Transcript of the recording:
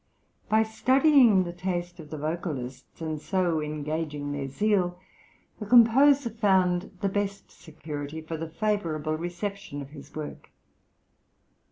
By studying the taste of the vocalists and so engaging their zeal, the composer found the best security for the favourable reception of his work.